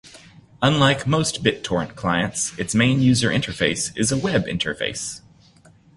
Unlike most BitTorrent clients, its main user interface is a web interface.